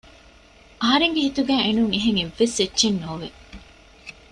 އަހަރެންގެ ހިތުގައި އެނޫން އެހެން އެއްވެސް އެއްޗެއް ނޯވެ